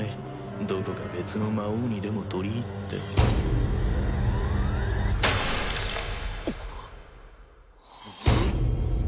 どこか別の魔王にでも取り入ってあっ。